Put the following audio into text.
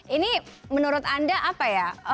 ini menurut anda apa ya